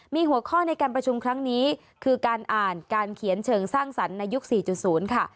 มีหัวข้อในการประชุมครั้งนี้คือการอ่านการเขียนเชิงสร้างสรรค์ในยุค๔๐ค่ะ